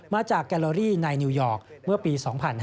มาจากแกลลอรี่ในนิวยอร์กเมื่อปี๒๕๒๙